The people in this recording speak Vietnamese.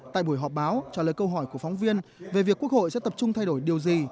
tại buổi họp báo trả lời câu hỏi của phóng viên về việc quốc hội sẽ tập trung thay đổi điều gì